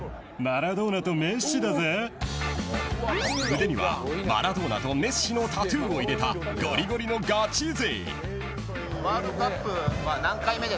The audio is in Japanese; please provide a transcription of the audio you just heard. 腕にはマラドーナとメッシのタトゥーを入れたごりごりのガチ勢。